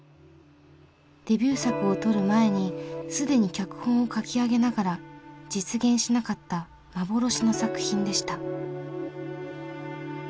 デビュー作を撮る前に既に脚本を書き上げながら実現しなかった「幻の作品」でした。